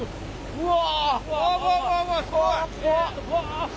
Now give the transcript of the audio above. うわ。